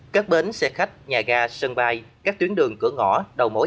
các bến xe khách nhà ga sân bay các tuyến đường cửa ngõ đầu mỗi giao thông